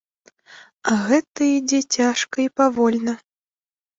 А гэта ідзе цяжка і павольна.